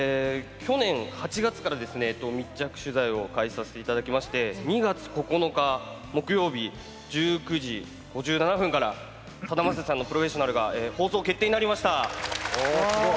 去年８月から密着取材をさせていただいてて２月９日木曜日１９時５７分からさだまさしさんの「プロフェッショナル」が放送決定になりました。